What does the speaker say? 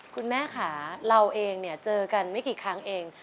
คุณแม่ค่ะเราเองเนี่ยเจอกันไม่กี่ครั้งเอง